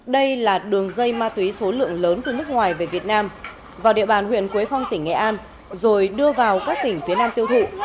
đây là đường dây ma túy số lượng lớn từ nước ngoài về việt nam vào địa bàn huyện quế phong tỉnh nghệ an rồi đưa vào các tỉnh phía nam tiêu thụ